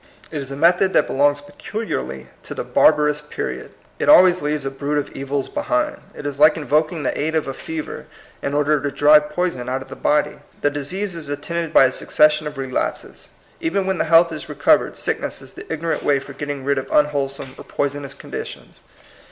It is a method that belongs peculiarly to the barbarous period. It always leaves a brood of evils behind. It is like invok ing the aid of a fever in order to drive poison out of the body. The disease is at tended by a succession of relapses. Even when the health is recovered, sickness is the ignorant way for getting rid of un wholesome or poisonous conditions.